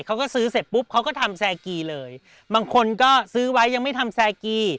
เขาก็ซื้อเสร็จปุ๊บเขาก็ทำแซกีเลยบางคนก็ซื้อไว้ยังไม่ทำแซกี